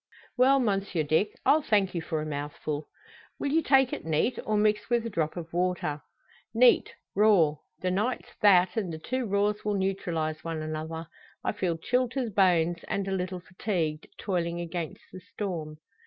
"Well, Monsieur Dick; I'll thank you for a mouthful." "Will you take it neat, or mixed wi' a drop o' water?" "Neat raw. The night's that, and the two raws will neutralise one another. I feel chilled to the bones, and a little fatigued, toiling against the storm."